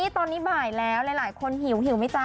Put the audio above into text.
ตอนนี้บ่ายแล้วหลายคนหิวไหมจ๊